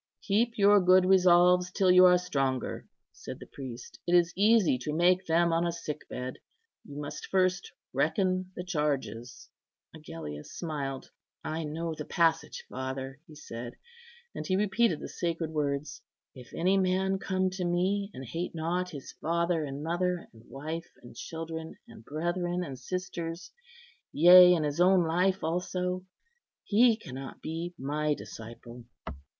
"Keep your good resolves till you are stronger," said the priest. "It is easy to make them on a sick bed. You must first reckon the charges." Agellius smiled. "I know the passage, father," he said, and he repeated the sacred words: "If any man come to Me, and hate not his father and mother, and wife, and children, and brethren, and sisters, yea, and his own life also, he cannot be My disciple."